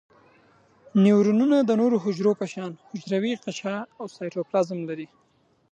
نیورونونه د نورو حجرو په شان حجروي غشاء او سایتوپلازم لري.